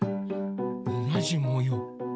おなじもよう。